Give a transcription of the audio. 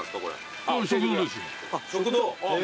・食堂。